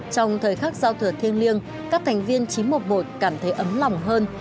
trong thời khắc giao thừa thiêng liêng các thành viên chín trăm một mươi một cảm thấy ấm lòng hơn